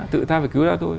tự ta phải cứu ta thôi